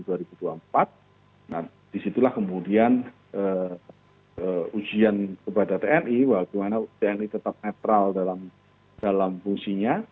nah disitulah kemudian ujian kepada tni bagaimana tni tetap netral dalam fungsinya